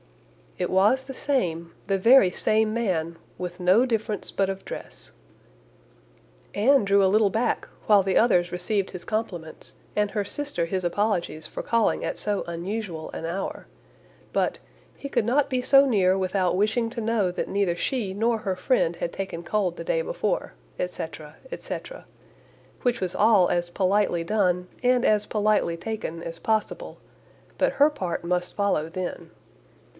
It was the same, the very same man, with no difference but of dress. Anne drew a little back, while the others received his compliments, and her sister his apologies for calling at so unusual an hour, but "he could not be so near without wishing to know that neither she nor her friend had taken cold the day before," &c. &c which was all as politely done, and as politely taken, as possible, but her part must follow then.